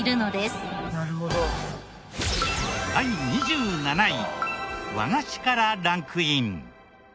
第２７位和菓子からランクイン。